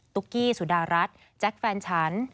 ตุ๊กกี้สุดารัสแจ็คแฟนฉัน